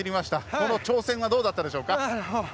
この挑戦はどうだったでしょうか。